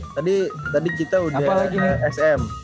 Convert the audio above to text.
tadi kita udah sm